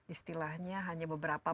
istilahnya hanya beberapa